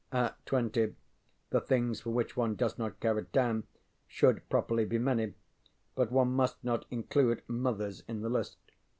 ŌĆØ At twenty the things for which one does not care a damn should, properly, be many, but one must not include mothers in the list.